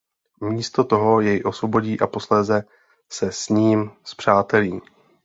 Místo toho jej osvobodí a posléze se s ním spřátelí.